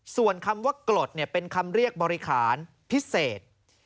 ส่วนคำว่ากรดเป็นคำเรียกบริหารพิเศษ